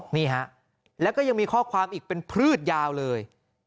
นี่ฮะแล้วก็ยังมีข้อความอีกเป็นพืชยาวเลย